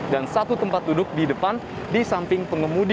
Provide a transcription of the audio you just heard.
dan satu tempat duduk di depan di samping pengemudi